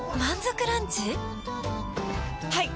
はい！